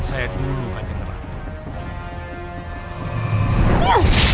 saya dulu akan neraka